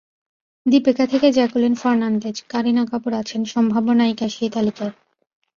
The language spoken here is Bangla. দীপিকা থেকে জ্যাকুলিন ফার্নান্দেজ, কারিনা কাপুর আছেন সম্ভাব্য নায়িকার সেই তালিকায়।